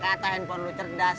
biar kata handphone lu cerdas